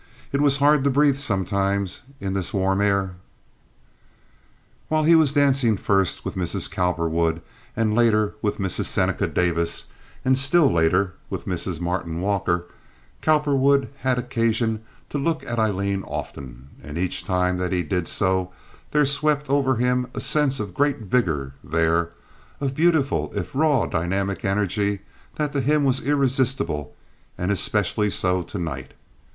It was hard to breathe sometimes in this warm air. While he was dancing first with Mrs. Cowperwood and later with Mrs. Seneca Davis, and still later with Mrs. Martyn Walker, Cowperwood had occasion to look at Aileen often, and each time that he did so there swept over him a sense of great vigor there, of beautiful if raw, dynamic energy that to him was irresistible and especially so to night.